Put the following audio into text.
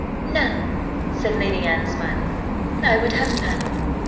"None," said Lady Anne, smiling, "I would have none."